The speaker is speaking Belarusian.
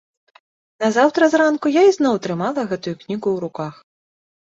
Назаўтра зранку я ізноў трымала гэтую кнігу ў руках.